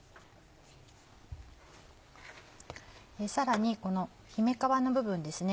さらにこの姫皮の部分ですね。